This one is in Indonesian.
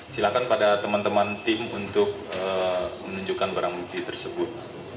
silakan pada teman teman tim untuk menunjukkan barang bukti tersebut